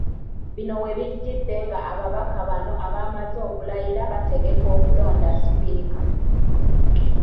Bino webijjidde nga ababaka bano abamaze okulayira bategeka okulonda Sipiika